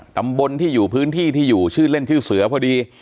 ตำบลที่อยู่พื้นที่ที่อยู่ชื่อเล่นชื่อเสือพอดี